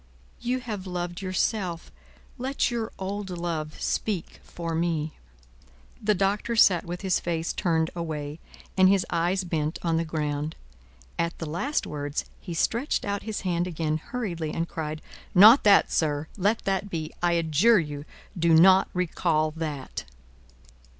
You have loved yourself; let your old love speak for me!" The Doctor sat with his face turned away, and his eyes bent on the ground. At the last words, he stretched out his hand again, hurriedly, and cried: "Not that, sir! Let that be! I adjure you, do not recall that!"